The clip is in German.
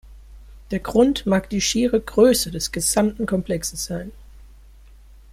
Der Grund mag die schiere Größe des gesamten Komplexes sein.